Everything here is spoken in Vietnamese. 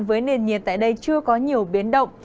với nền nhiệt tại đây chưa có nhiều biến động